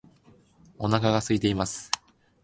お腹が空いています